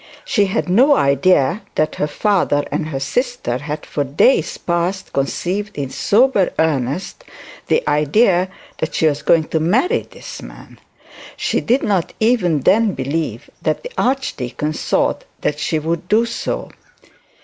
She had no idea that her father and sister had for days past conceived in sober earnest the idea that she was going to marry the man. She did not even then believe that the archdeacon thought that she would do so.